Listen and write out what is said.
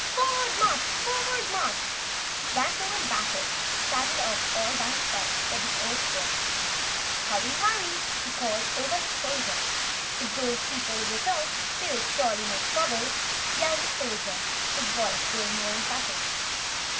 "Forward march! Forward march!" Wantowin Battles started off all by himself for the Ozpril. "Hurry, hurry!" he called over his shoulder. "If those fearful people return they'll surely make trouble!" yelled the Soldier, his voice growing more emphatic.